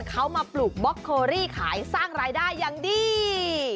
เขามาปลูกบล็อกเคอรี่ขายสร้างรายได้อย่างดี